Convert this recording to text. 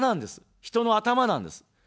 人の頭なんです。